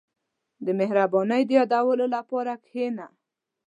• د مهربانۍ د یادولو لپاره کښېنه.